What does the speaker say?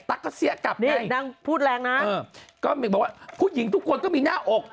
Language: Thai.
ตั๊กก็เสียกลับไงก็บอกว่าผู้หญิงทุกคนก็มีหน้าอก